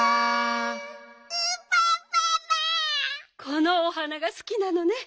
このお花がすきなのね。